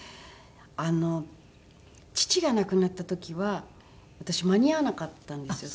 あの父が亡くなった時は私間に合わなかったんですよ。